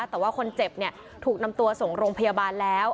แต่ว่าคนเจ็บถูกนำตัวส่งโรงพยาบาลแล้ว